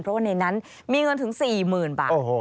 เพราะว่าในนั้นมีเงินถึง๔๐๐๐บาท